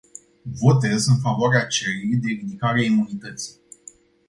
Votez în favoarea cererii de ridicare a imunității.